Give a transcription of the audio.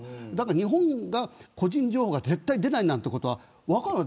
日本は個人情報が絶対出ないなんて分からない。